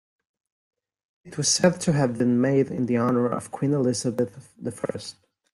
It was said to have been made in the honour of Queen Elizabeth I.